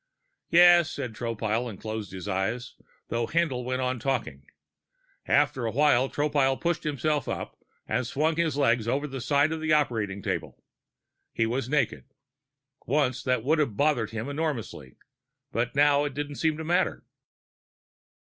"Yes," said Tropile, and closed his ears, though Haendl went on talking. After a while, Tropile pushed himself up and swung his legs over the side of the operating table. He was naked. Once that would have bothered him enormously, but now it didn't seem to matter.